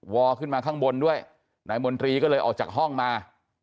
อขึ้นมาข้างบนด้วยนายมนตรีก็เลยออกจากห้องมา